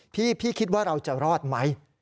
พี่คิดว่าเราจะรอดไหม